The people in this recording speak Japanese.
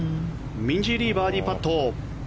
ミンジー・リーバーディーパット。